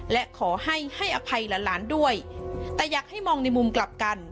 และขอให้ให้อภัยหลานด้วยแต่อยากให้มองในมุมกลับกัน